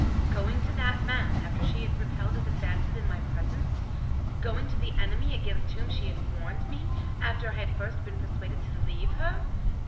Going to that man, after she had repelled his advances, in my presence! Going to the enemy against whom she had warned me, after I had first been persuaded to leave her!